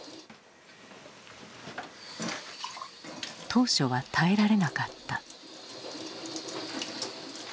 当初は耐えられなかった。